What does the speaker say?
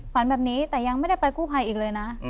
ฝันแบบนี้แต่ยังไม่ได้ไปกู้ภัยอีกเลยนะ